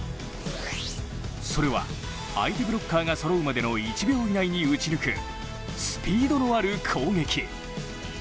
それは、相手ブロッカーがそろうまでの１秒以内に打ち抜くスピードのある攻撃。